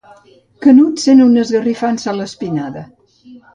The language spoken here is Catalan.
Canut sent una esgarrifança a l'espinada.